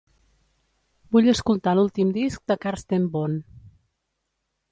Vull escoltar l'últim disc de Carsten Bohn